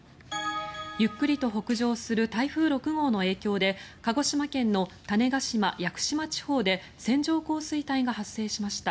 ゆっくりと北上する台風６号の影響で鹿児島県の種子島・屋久島地方で線状降水帯が発生しました。